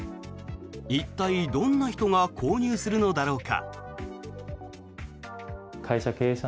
一体、どんな人が購入するのだろうか。